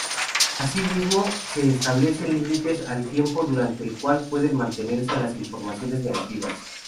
Asimismo, se establecen límites al tiempo durante el cual pueden mantenerse las informaciones negativas.